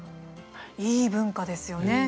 いい文化ですよね。